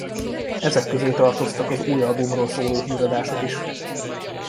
Ezek közé tartoztak az új albumról szóló híradások is.